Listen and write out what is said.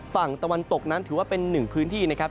ฝั่งตะวันตกนั้นถือว่าเป็นหนึ่งพื้นที่นะครับ